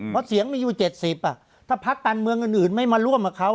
เพราะเสียงมันอยู่เจ็ดสิบอ่ะถ้าพักการเมืองอื่นอื่นไม่มาร่วมกับเขา